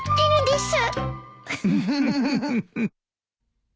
ウフフフ。